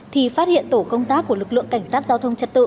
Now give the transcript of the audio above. thì phát hiện tổ công tác của lực lượng cảnh sát giao thông trật tự